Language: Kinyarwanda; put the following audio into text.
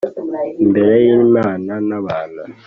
Imbere y'Imana n'abantu